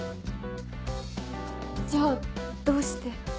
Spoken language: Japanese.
じゃあどうして。